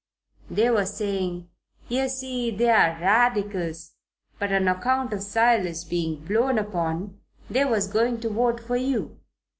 They was saying, yer see, they was Radicals, but on account of Silas being blown upon, they was going to vote for you.